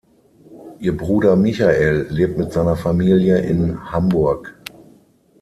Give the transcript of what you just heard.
Ihr Bruder Michael lebt mit seiner Familie in Hamburg.